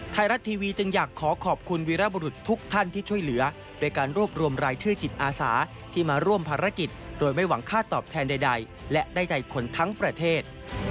ไทยรัฐทีวีจึงอยากขอขอบคุณวีรบุรุษทุกท่านที่ช่วยเหลือโดยการรวบรวมรายชื่อจิตอาสาที่มาร่วมภารกิจโดยไม่หวังค่าตอบแทนใดและได้ใจคนทั้งประเทศ